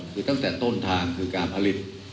คือตั้งแต่ต้นทางคือการผลิต